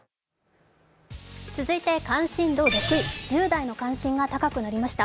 続いて関心度６位、１０代の関心が高くなりました。